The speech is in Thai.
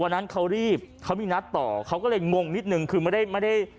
วันนั้นเขารีบเขามีนัดต่อเค้าก็เลยม่มวงนิดนึงคือไม่ได้